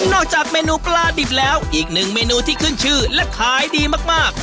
จากเมนูปลาดิบแล้วอีกหนึ่งเมนูที่ขึ้นชื่อและขายดีมาก